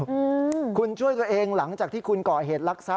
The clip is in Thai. อืมคุณช่วยตัวเองหลังจากที่คุณก่อเหตุลักษัพ